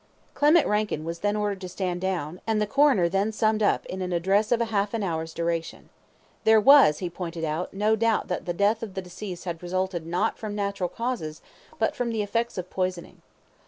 Clement Rankin was then ordered to stand down, and the Coroner then summed up in an address of half an hour's duration. There was, he pointed out, no doubt that the death of the deceased had resulted not from natural causes, but from the effects of poisoning.